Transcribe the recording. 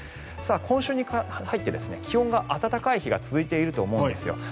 今週に入って気温が暖かい日が続いていると思うんですよ。